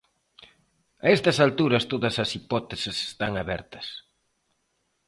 A estas alturas todas as hipóteses están abertas.